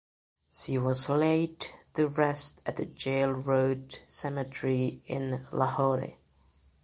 She was laid to rest at the Jail Road cemetery in Lahore.